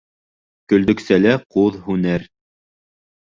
Көлдөксәлә ҡуҙ һүнер.